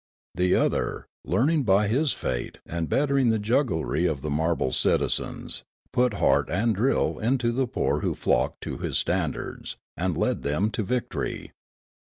The other, learning by his fate and bettering the jugglery of the marble citizens, put heart and drill into the poor who flocked to his standards, and led them to victor}